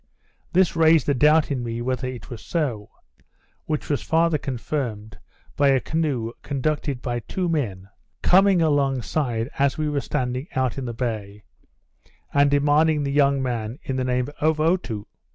This raised a doubt in me whether it was so; which was farther confirmed, by a canoe, conducted by two men, coming along side, as we were standing out of the bay, and demanding the young man in the name of Otoo.